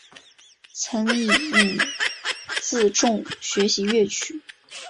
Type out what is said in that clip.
曾从尹自重学习粤曲。